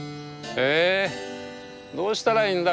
えどうしたらいいんだ？